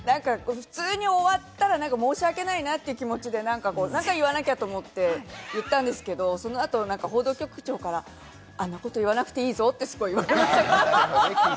普通に終わったら申し訳ないなって気持ちで、何か言わなきゃと思って言ったんですけど、その後、報道局長からあんなこと、言わなくていいぞって、すごい言われました。